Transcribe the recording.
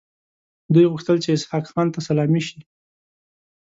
دوی غوښتل چې اسحق خان ته سلامي شي.